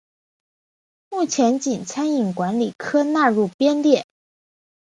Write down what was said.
目前仅餐饮管理科纳入编列。